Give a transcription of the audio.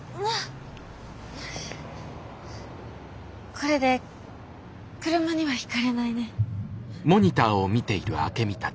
これで車にはひかれないね。